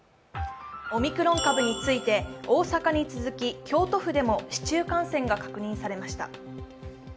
オミクロン株について大阪に続き、京都府でも市中感染が確認されました。